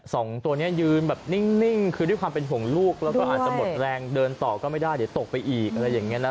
สองตัวนี้ยืนแบบนิ่งคือด้วยความเป็นห่วงลูกแล้วก็อาจจะหมดแรงเดินต่อก็ไม่ได้เดี๋ยวตกไปอีกอะไรอย่างนี้นะ